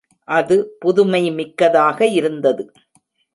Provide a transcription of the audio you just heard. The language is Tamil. அது புதுமைமிக்கதாக இருந்தது.